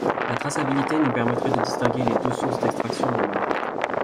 La traçabilité nous permettrait de distinguer les deux sources d’extraction de l’or.